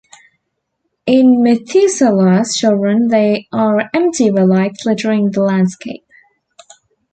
In Methuselah's Children they are empty relics littering the landscape.